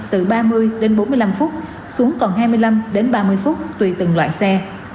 từ ba mươi đến bốn mươi năm phút xuống còn hai mươi năm đến ba mươi phút tùy từng loại xe